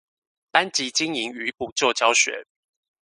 班級經營與補救教學